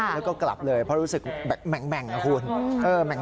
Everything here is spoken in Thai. แล้วก็กลับเลยเพราะรู้สึกแบบแหม่งนะคุณ